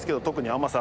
甘さ！